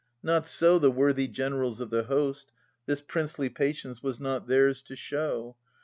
Not so the worthy generals of the host ;— This princely patience was not theirs to show.